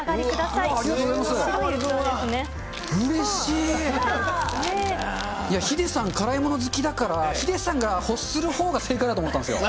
いや、ヒデさん、辛いもの好きだから、ヒデさんが欲するほうが正解だと思ったんですよ。